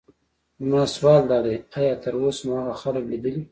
زما سوال دادی: ایا تراوسه مو هغه خلک لیدلي.